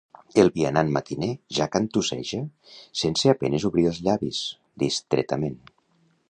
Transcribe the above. El vianant matiner la cantusseja sense a penes obrir els llavis, distretament.